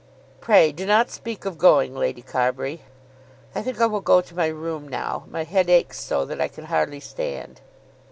"Pray do not speak of going, Lady Carbury." "I think I will go to my room now. My head aches so that I can hardly stand."